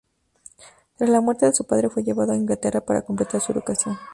Tras la muerte de su padre fue llevado a Inglaterra para completar su educación.